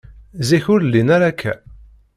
Zik, ur llin ara akka.